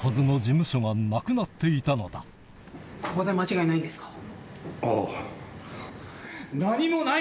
あるはずのここで間違いないんですか？